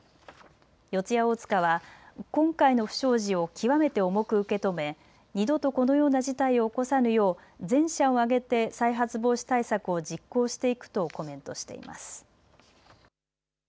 四谷大塚は今回の不祥事を極めて重く受け止め二度とこのような事態を起こさぬよう全社を挙げて再発防止対策を実行していくとコメントしています。